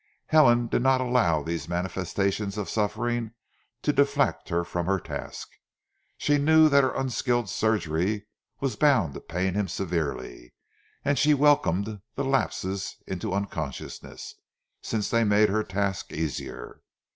Helen did not allow these manifestations of suffering to deflect her from her task. She knew that her unskilled surgery was bound to pain him severely, and she welcomed the lapses into unconsciousness, since they made her task easier.